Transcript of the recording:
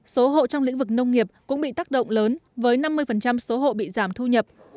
số hộ trong lĩnh vực nông nghiệp cũng bị tác động lớn với năm mươi số hộ bị giảm thu nhập